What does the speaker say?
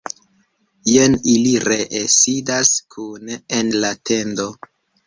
Jen ili ree sidas kune en la tendo!